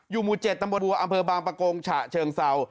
อยู่หมู่๗ตำบวนบังประโกงฉะเชิงเศร้า